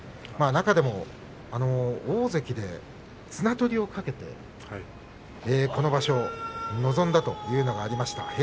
中でも大関で綱取りを懸けてこの場所に臨んだというのがありました。